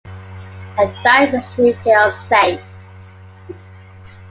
And that makes me feel safe.